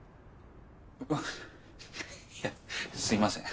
あっすいません。